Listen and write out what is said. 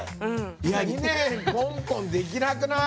いや２年ぽんぽんできなくない？